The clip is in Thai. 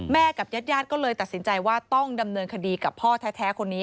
แม่กับยัดก็เลยตัดสินใจว่าต้องดำเนินคดีกับพ่อแท้คนนี้